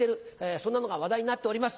そんなのが話題になっております